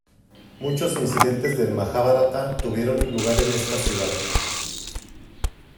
Muchos incidentes del "Majábharata" tuvieron lugar en esta ciudad.